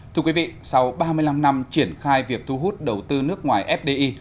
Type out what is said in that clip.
thưa quý vị sau ba mươi năm năm triển khai việc thu hút đầu tư nước ngoài fdi